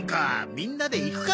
みんなで行くか！